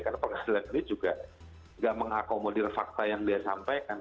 karena pengadilan ini juga tidak mengakomodir fakta yang dia sampaikan